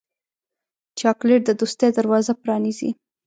چاکلېټ د دوستۍ دروازه پرانیزي.